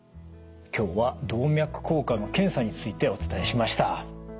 今日は動脈硬化の検査についてお伝えしました。